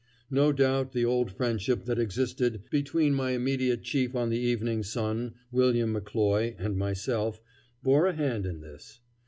No doubt the old friendship that existed between my immediate chief on the Evening Sun, William McCloy, and myself, bore a hand in this.